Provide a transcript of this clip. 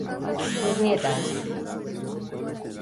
Sus nietas.